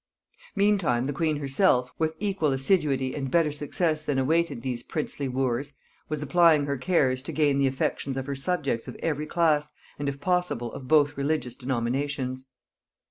Meantime the queen herself, with equal assiduity and better success than awaited these princely wooers, was applying her cares to gain the affections of her subjects of every class, and if possible of both religious denominations.